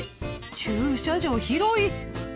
駐車場広い！